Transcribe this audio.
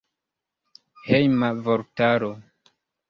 Hejma vortaro.